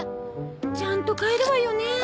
ちゃんと買えるわよね？